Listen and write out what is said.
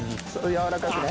やわらかくね。